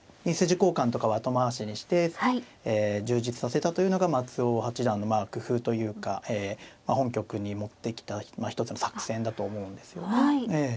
２筋交換とかは後回しにして充実させたというのが松尾八段のまあ工夫というかまあ本局に持ってきた一つの作戦だと思うんですよね。